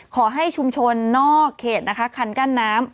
ขอให้ชุมชนนอกเขตนะคะคันกั้นน้ำ